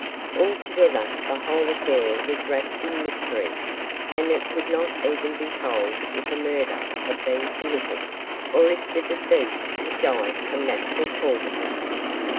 Altogether the whole affair was wrapped in mystery, as it could not even be told if a murder had been committed, or if the deceased had died from natural causes.